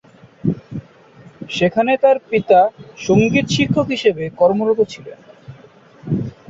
সেখানে তার পিতা সঙ্গীত শিক্ষক হিসেবে কর্মরত ছিলেন।